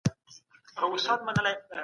ده د ملتپالنې شعور خپور کړ